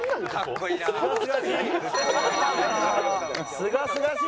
すがすがしい！